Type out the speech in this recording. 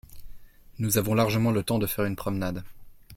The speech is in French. Nous avons largement le temps de faire une promenade.